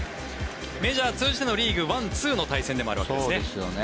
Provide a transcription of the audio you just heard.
メジャー通じてのリーグワン、ツーの対決でもあるわけですね。